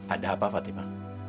ada apa fatima